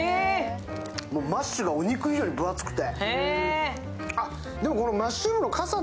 マッシュがお肉以上に分厚くて。